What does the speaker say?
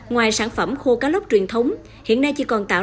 ngoài sản phẩm khô cá lốc truyền thống